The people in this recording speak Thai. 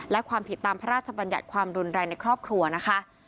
และความผิดตามพระราชบัญญัติความรุนแรงในครอบครัวนะคะ